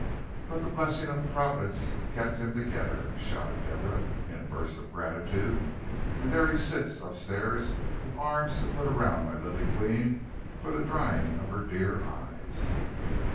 But the blessing of Providence kept him together," shouted Deborah in a burst of gratitude, "and there he sits upstairs with arms to put about my lily queen for the drying of her dear eyes."